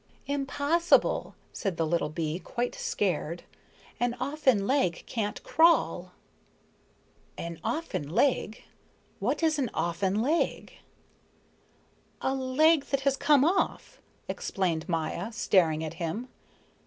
"Impossible," said the little bee, quite scared, "an offen leg can't crawl." "An offen leg? What is an offen leg?" "A leg that has come off," explained Maya, staring at him.